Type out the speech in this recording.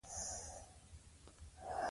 نجونې د ټولنیزو مسؤلیتونو د پېژندلو وړتیا مومي.